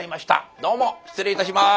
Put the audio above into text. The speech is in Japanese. どうも失礼いたします。